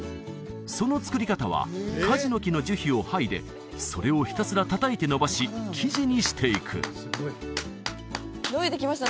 その作り方はカジノキの樹皮を剥いでそれをひたすら叩いてのばし生地にしていくのびてきました